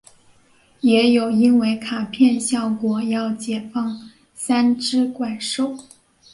也有因为卡片效果要解放三只怪兽。